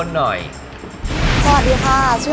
พี่ฟองอีก๑ดวงดาว